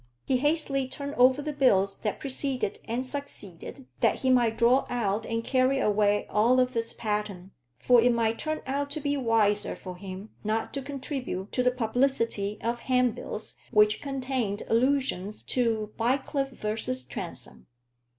He hastily turned over the bills that preceded and succeeded, that he might draw out and carry away all of this pattern; for it might turn out to be wiser for him not to contribute to the publicity of handbills which contained allusions to Bycliffe versus Transome.